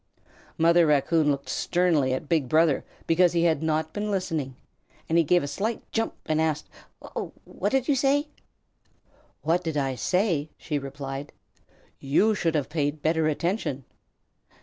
Mother Raccoon looked sternly at Big Brother because he had not been listening, and he gave a slight jump and asked, "W what did you say?" "What did I say?" she replied. "You should have paid better attention."